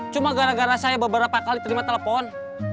cuma gara gara saya beberapa kali terima telepon